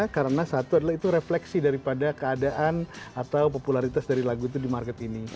karena satu adalah itu refleksi daripada keadaan atau popularitas dari lagu itu di market ini